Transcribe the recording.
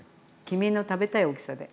君の食べたい大きさで。